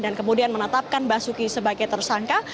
dan kemudian menetapkan basuki sebagai tersangka